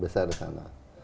besar di sana